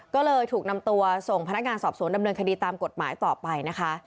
ก็เลยถูกนำตัวส่งพนักงานสอบสวนดำเนินคดีตามกฎหมายต่อไปนะคะ